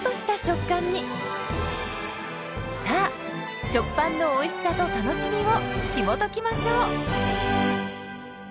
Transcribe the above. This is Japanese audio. さあ「食パン」のおいしさと楽しみをひもときましょう！